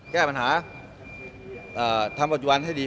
แก้ปัญหาทำปัจจุบันให้ดี